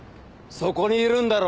そこにいるんだろ？